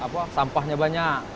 atau sampahnya banyak